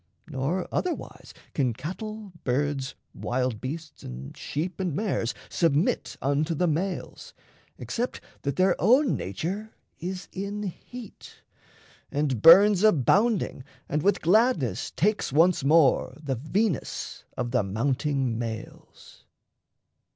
Nor otherwise can cattle, birds, wild beasts, And sheep and mares submit unto the males, Except that their own nature is in heat, And burns abounding and with gladness takes Once more the Venus of the mounting males.